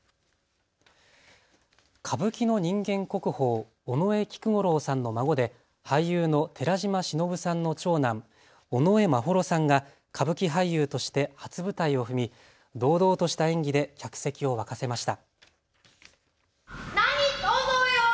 歌舞伎の人間国宝、尾上菊五郎さんの孫で俳優の寺島しのぶさんの長男、尾上眞秀さんが歌舞伎俳優として初舞台を踏み堂々とした演技で客席を沸かせました。